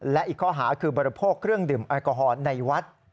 และอีกข้อหาคือบริโภคเครื่องดื่มแอลกอฮอล์ในวัด